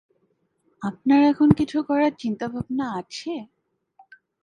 আপনার এখন কিছু করার চিন্তা ভাবনা আছে?